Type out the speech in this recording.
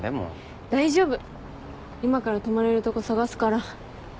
今から泊まれるとこ探すから。